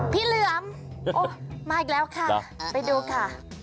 เหลือมโอ้มาอีกแล้วค่ะไปดูค่ะ